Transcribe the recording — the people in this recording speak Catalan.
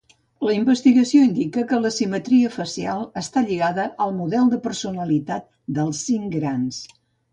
La investigació indica que la simetria facial està lligada al model de personalitat dels "cinc grans".